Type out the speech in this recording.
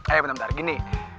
ayo bentar bentar gini